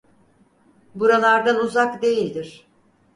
Buralardan uzak değildir.